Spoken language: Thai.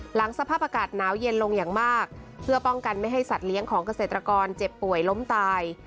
สภาพอากาศหนาวเย็นลงอย่างมากเพื่อป้องกันไม่ให้สัตว์เลี้ยงของเกษตรกรเจ็บป่วยล้มตาย